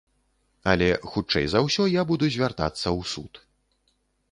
Але, хутчэй за ўсё, я буду звяртацца ў суд.